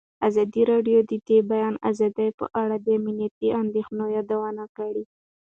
ازادي راډیو د د بیان آزادي په اړه د امنیتي اندېښنو یادونه کړې.